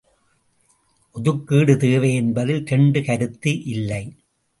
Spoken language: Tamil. ஒதுக்கீடு தேவை என்பதில் இரண்டு கருத்து இல்லை!